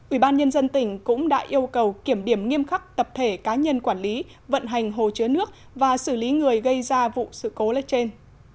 ủy ban nhân dân tỉnh cũng đã yêu cầu kiểm điểm nghiêm khắc tập thể cá nhân quản lý vận hành hồ chứa nước và xử lý người gây ra vụ sự cố lết trên